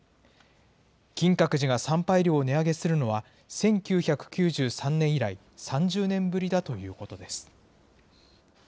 金閣寺が参拝料を値上げするのは、１９９３年以来３０年ぶりだということです。